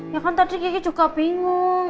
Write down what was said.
ya kan tadi gigi juga bingung